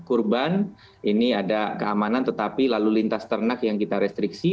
kurban ini ada keamanan tetapi lalu lintas ternak yang kita restriksi